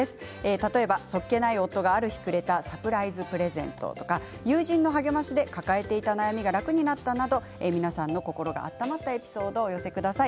例えば、そっけない夫がある日くれたサプライズプレゼントとか友人の励ましで抱えていた悩みが楽になったなど皆さんの心が温まったエピソードをお寄せください。